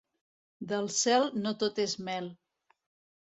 Del cel no tot és mel.